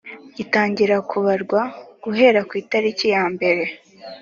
gitangira kubarwa guhera ku itariki ya mbere